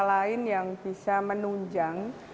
lain yang bisa menunjang